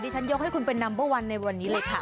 ฉันยกให้คุณเป็นนัมเบอร์วันในวันนี้เลยค่ะ